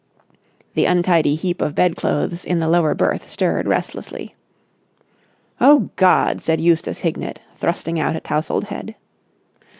The untidy heap of bedclothes in the lower berth stirred restlessly. "Oh, God!" said Eustace Hignett thrusting out a tousled head.